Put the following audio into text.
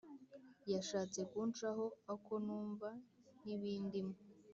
Yashatse kunshaho ako numva ntibindimo